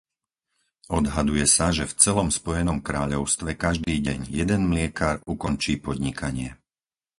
Odhaduje sa, že v celom Spojenom kráľovstve každý deň jeden mliekar ukončí podnikanie.